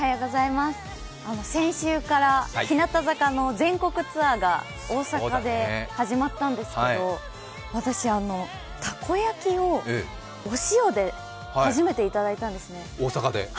先週から日向坂の全国ツアーが大阪から始まったんですけど私、たこ焼きをお塩で初めていただいたんですね。